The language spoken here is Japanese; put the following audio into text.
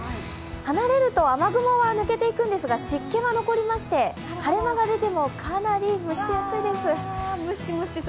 離れると雨雲は抜けていくんですが、湿気は残りまして晴れ間が出てもかなり蒸し暑いです。